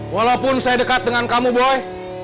walaupun saya dekat dengan kamu boy